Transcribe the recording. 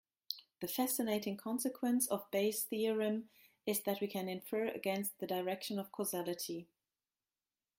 The fascinating consequence of Bayes' theorem is that we can infer against the direction of causality.